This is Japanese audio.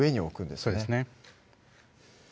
そうですね